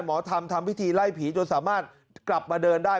หมอทำทำพิธีไล่ผีจนสามารถกลับมาเดินได้